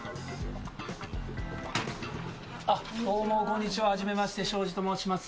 どうもこんにちは初めまして、庄司と申します。